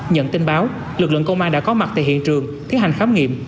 nhận tin báo lực lượng công an đã có mặt tại hiện trường thi hành khám nghiệm